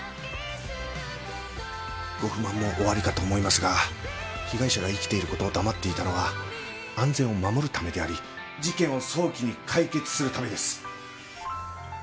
ご不満もおありかと思いますが被害者が生きている事を黙っていたのは安全を守るためであり事件を早期に解決するためです。